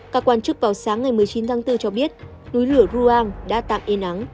các quan chức vào sáng ngày một mươi chín tháng bốn cho biết núi lửa ruang đã tạm in